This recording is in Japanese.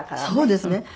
そうですね。